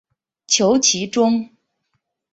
求其中